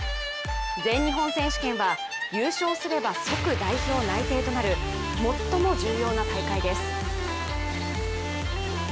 全日本選手権は優勝すれば即代表内定となる最も重要な大会です。